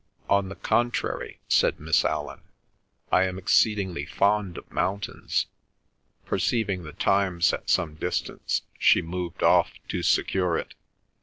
"On the contrary," said Miss Allan, "I am exceedingly fond of mountains." Perceiving The Times at some distance, she moved off to secure it.